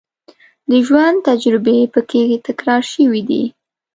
د ژوند تجربې په کې تکرار شوې دي.